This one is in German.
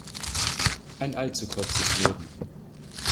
Ein allzu kurzes Leben".